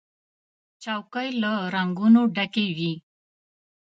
چوکۍ له رنګونو ډکې وي.